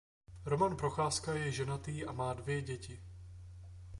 Roman Procházka je ženatý a má dvě děti.